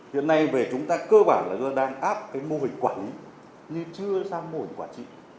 hiện nay về chúng ta cơ bản là do đang áp cái mô hình quản lý như chưa sang mô hình quản trị